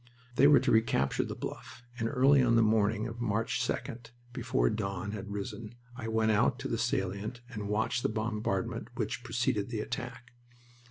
They were to recapture the Bluff, and early on the morning of March 2d, before dawn had risen, I went out to the salient and watched the bombardment which preceded the attack.